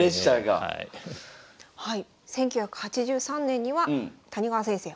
１９８３年には谷川先生